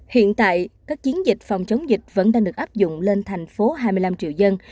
hiện tại các chiến dịch phòng chống dịch vẫn đang được áp dụng lên thành phố hai mươi năm triệu dân